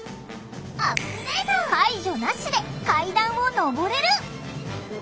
介助なしで階段を上れる。